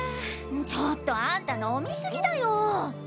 ちょっとあんた飲みすぎだよ。